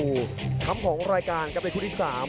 ทั้งครั้งของรายการกับในคู่ที่สาม